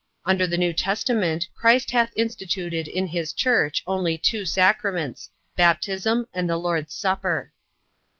Under the New Testament Christ hath instituted in his church only two sacraments, baptism and the Lord's supper.